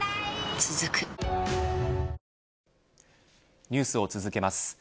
続くニュースを続けます。